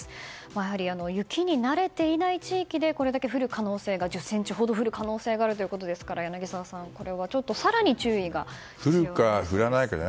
やはり雪に慣れていない地域で１０ｃｍほど降る可能性があるということですから柳澤さんこれは更に注意が必要ですね。